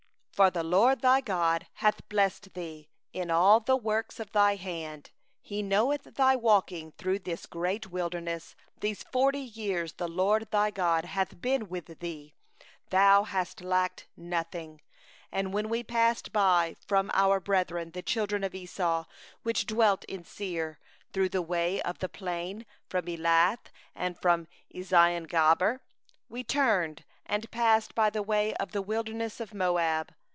7For the LORD thy God hath blessed thee in all the work of thy hand; He hath known thy walking through this great wilderness; these forty years the LORD thy God hath been with thee; thou hast lacked nothing.' 8So we passed by from our brethren the children of Esau, that dwell in Seir, from the way of the Arabah, from Elath and from Ezion geber. And we turned and passed by the way of the wilderness of Moab.